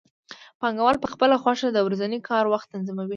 پانګوال په خپله خوښه د ورځني کار وخت تنظیموي